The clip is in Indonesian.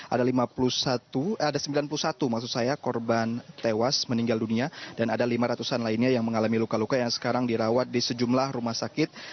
ada sembilan puluh satu maksud saya korban tewas meninggal dunia dan ada lima ratus an lainnya yang mengalami luka luka yang sekarang dirawat di sejumlah rumah sakit